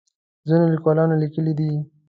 ځینو لیکوالانو لیکلي دي.